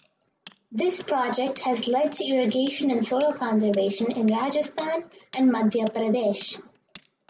This project has led to irrigation and soil conservation in Rajasthan and Madhya Pradesh.